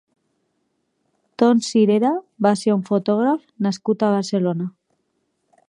Ton Sirera va ser un fotògraf nascut a Barcelona.